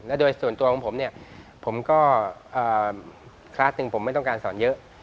และโดยส่วนตัวของผมเนี่ยผมก็คลาสหนึ่งผมไม่ต้องการสอนเยอะ